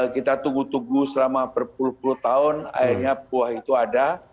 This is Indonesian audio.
kita tunggu tunggu selama berpuluh puluh tahun akhirnya buah itu ada